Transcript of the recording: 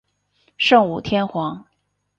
圣武天皇。